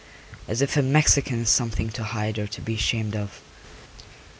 As if a Mexican is something to hide or to be ashamed of.